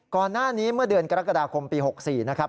ก่อนหน้านี้เมื่อเดือนกรกฎาคมปี๖๔นะครับ